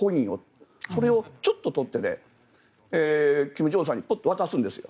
それをちょっと取って金正恩さんにポッと渡すんです。